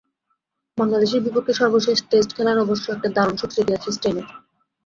বাংলাদেশের বিপক্ষে সর্বশেষ টেস্ট খেলার অবশ্য একটা দারুণ সুখস্মৃতি আছে স্টেইনের।